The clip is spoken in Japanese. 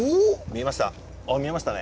見えましたね。